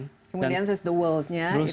kemudian setelah itu the world di amerika